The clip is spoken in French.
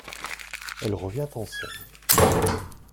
Elle revient en scène.